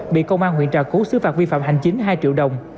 bị công an huyện trà cú xứ phạt vi phạm hành chính hai triệu đồng